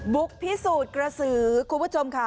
พิสูจน์กระสือคุณผู้ชมค่ะ